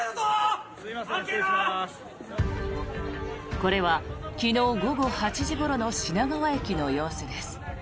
これは昨日午後８時ごろの品川駅の様子です。